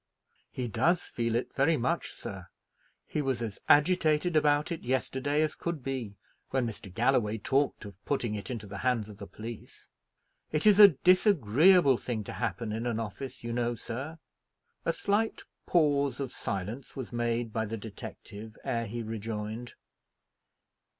"He does feel it very much, sir. He was as agitated about it yesterday as could be, when Mr. Galloway talked of putting it into the hands of the police. It is a disagreeable thing to happen in an office, you know, sir." A slight pause of silence was made by the detective ere he rejoined.